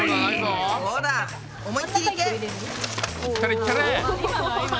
いったれいったれ！